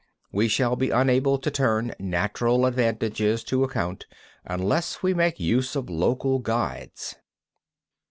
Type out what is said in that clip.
We shall be unable to turn natural advantages to account unless we make use of local guides.